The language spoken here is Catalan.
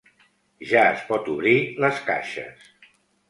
Ja es pot obrir les caixes.